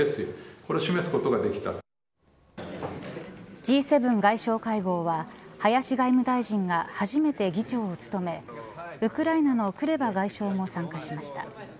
Ｇ７外相会合は林外務大臣が初めて議長を務めウクライナのクレバ外相も参加しました。